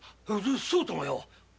そうともよ。